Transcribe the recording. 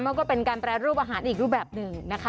มันก็เป็นการแปรรูปอาหารอีกรูปแบบหนึ่งนะคะ